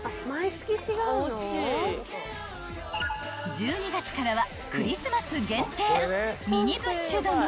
［１２月からはクリスマス限定］